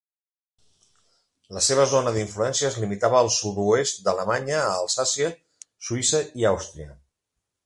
La seva zona d'influència es limitava al sud-oest d'Alemanya, a Alsàcia, Suïssa i Àustria.